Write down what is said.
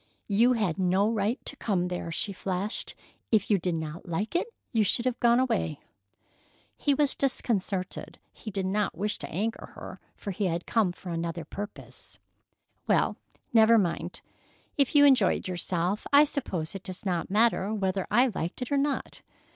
"You had no right to come there!" she flashed. "If you did not like it, you should have gone away." He was disconcerted. He did not wish to anger her, for he had come for another purpose. "Well, never mind. If you enjoyed yourself, I suppose it does not matter whether I liked it or not.